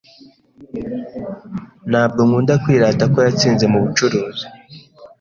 Ntabwo nkunda kwirata ko yatsinze mubucuruzi.